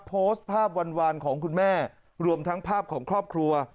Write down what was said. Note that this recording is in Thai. โพสต์ภาพหวานของคุณแม่รวมทั้งภาพของครอบครัว